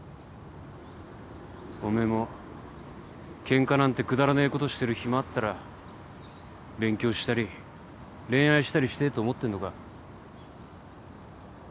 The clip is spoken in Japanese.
おめえもケンカなんてくだらねえことしてる暇あったら勉強したり恋愛したりしてえと思ってんのかよ。